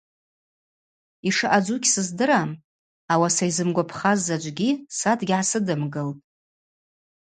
Йшаъадзу гьсыздырам, ауаса йзымгвапхаз заджвгьи са дгьгӏасыдымгылтӏ.